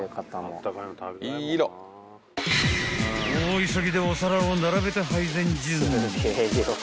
［大急ぎでお皿を並べて配膳準備］